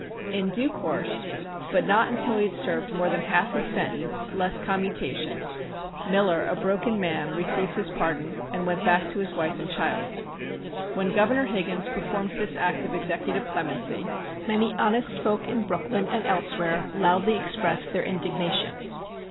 In due course, but not until he had served more than half his sentence (less commutation), Miller a broken man, received his pardon, and went back to his wife and child. When Governor Higgins performed this act of executive clemency, many honest folk in Brooklyn and elsewhere loudly expressed their indignation.